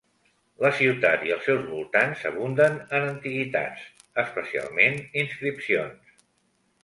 La ciutat i els seus voltants abunden en antiguitats, especialment inscripcions.